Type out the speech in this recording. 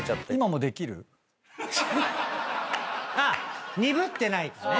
あっ鈍ってないかね。